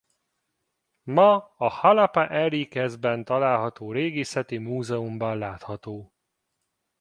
Ma a Xalapa-Enríquezben található régészeti múzeumban látható.